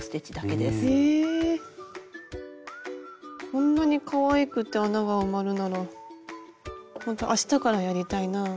こんなにかわいくて穴が埋まるならほんとあしたからやりたいなあ。